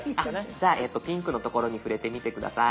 じゃあピンクの所に触れてみて下さい。